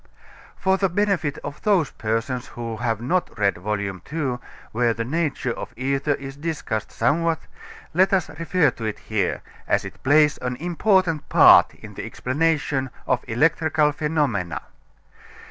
For the benefit of those persons who have not read Vol. II, where the nature of ether is discussed somewhat, let us refer to it here, as it plays an important part in the explanation of electrical phenomena.